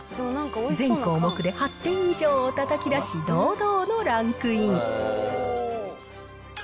全項目で８点以上をたたき出し、堂々のランクイン。